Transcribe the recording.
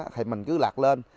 thì mình cứ lạc lên